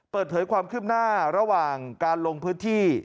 เปิดเผยความคืบหน้าระหว่างการลงพื้นที่